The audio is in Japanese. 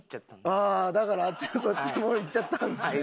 ああだからそっちの方いっちゃったんですね。